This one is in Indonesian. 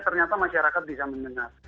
ternyata masyarakat bisa mendengar